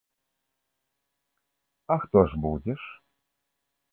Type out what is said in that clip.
А хто ж будзеш?